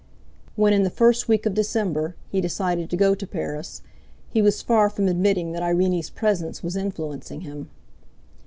When in the first week of December he decided to go to Paris, he was far from admitting that Irene's presence was influencing him.